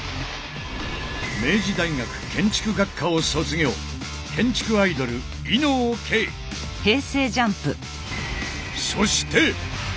明治大学建築学科を卒業そして！